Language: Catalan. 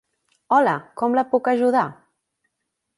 Hola, com la puc ajudar?